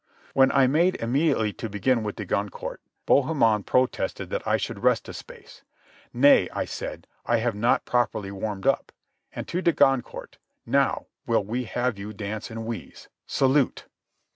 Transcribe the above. When I made immediately to begin with de Goncourt, Bohemond protested that I should rest a space. "Nay," I said. "I have not properly warmed up." And to de Goncourt, "Now will we have you dance and wheeze—Salute!"